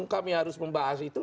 kalau kita harus membahas itu